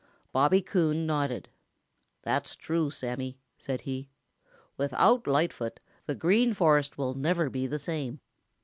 Bobby Coon nodded. "That's true, Sammy," said he. "Without Lightfoot, the Green Forest will never be the same.